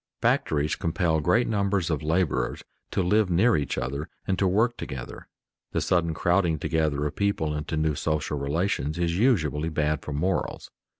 Factories compel great numbers of laborers to live near each other and to work together. The sudden crowding together of people into new social relations is usually bad for morals.